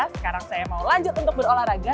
sekarang saya mau lanjut untuk berolahraga